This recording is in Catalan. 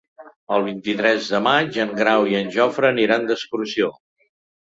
El vint-i-tres de maig en Grau i en Jofre aniran d'excursió.